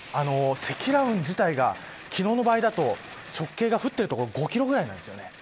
積乱雲自体が昨日の場合だと直径が降っている所５キロぐらいなんです。